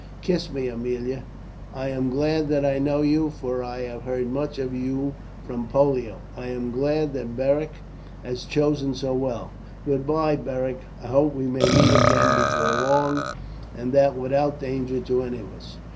Kiss me, Aemilia; I am glad that I know you, for I have heard much of you from Pollio. I am glad that Beric has chosen so well. Goodbye, Beric; I hope we may meet again before long, and that without danger to any of us.